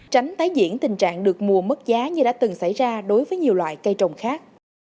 tránh tái diễn tình trạng được mua mất giá như đã từng xảy ra đối với nhiều loại cây trồng khác